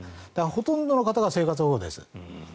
ほとんどの方が生活保護です。